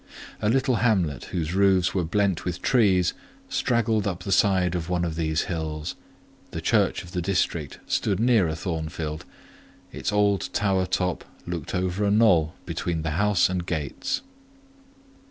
A little hamlet, whose roofs were blent with trees, straggled up the side of one of these hills; the church of the district stood nearer Thornfield: its old tower top looked over a knoll between the house and gates.